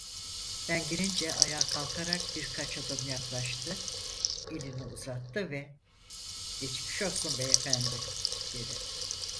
Ben girince ayağa kalkarak, birkaç adım yaklaştı, elini uzattı ve: "Geçmiş olsun Beyefendi!" dedi.